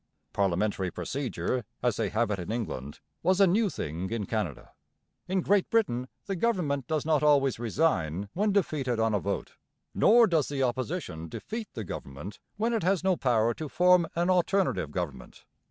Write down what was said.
Parliamentary procedure, as they have it in England, was a new thing in Canada. In Great Britain the government does not always resign when defeated on a vote, nor does the opposition defeat the government when it has no power to form an alternative government.